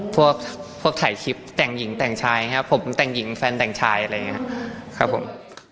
พวกพวกถ่ายคลิปแต่งหญิงแต่งชายครับผมแต่งหญิงแฟนแต่งชายอะไรอย่างนี้ครับผม